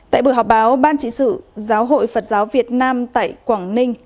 tại buổi họp báo ban trị sự giáo hội phật giáo việt nam tại quảng ninh